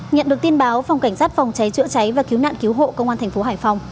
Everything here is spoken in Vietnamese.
nhận được tin báo phòng cảnh sát phòng cháy chữa cháy và cứu nạn cứu hộ công an thành phố hải phòng